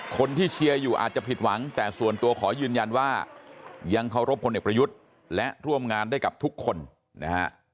เชียร์อยู่อาจจะผิดหวังแต่ส่วนตัวขอยืนยันว่ายังเคารพพลเอกประยุทธ์และร่วมงานได้กับทุกคนนะฮะ